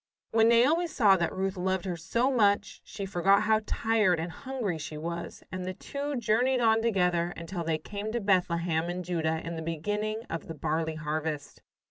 When Naomi saw that Ruth loved her so much, she forgot how tired and hungry she was, and the two journeyed on together until they came to Bethlehem in Judah in the beginning of the barley harvest.